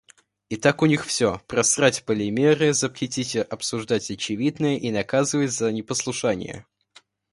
И так у них всё: просрать полимеры, запретить обсуждать очевидное и наказывать за непослушание.